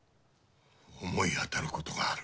思い当たることがある。